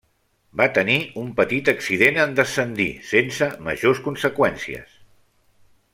Va tenir un petit accident en descendir, sense majors conseqüències.